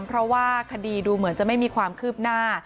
เพราะว่าคดีดูเหมือนจะไม่มีความคืบหน้า